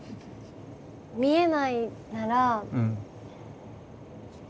見えないなら。